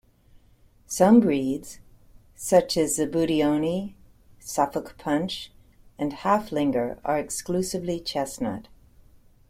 Some breeds, such as the Budyonny, Suffolk Punch, and Haflinger are exclusively chestnut.